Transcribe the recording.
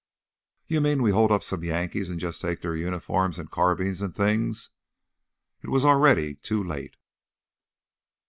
"You mean we hold up some Yankees and just take their uniforms an' carbines an' things?" It was already too late.